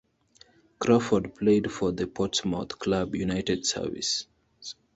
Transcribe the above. Crawford played for the Portsmouth club United Services.